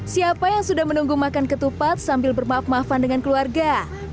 siapa yang sudah menunggu makan ketupat sambil bermaaf maafan dengan keluarga